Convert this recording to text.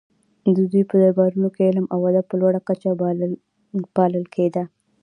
د دوی په دربارونو کې علم او ادب په لوړه کچه پالل کیده